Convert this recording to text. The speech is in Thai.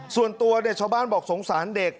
ส่วนตัวชาวบ้านบอกสงสารเด็ก